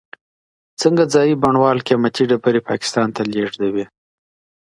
څنګه ځايي بڼوال قیمتي ډبرې پاکستان ته لیږدوي؟